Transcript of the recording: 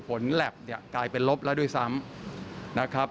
แหลปเนี่ยกลายเป็นลบแล้วด้วยซ้ำนะครับ